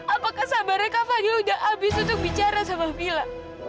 apakah sabarnya kak fadil udah habis untuk bicara sama villa